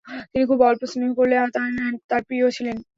তিনি খুব অল্প স্নেহ করলেও অ্যান তার প্রিয় ছিলেন।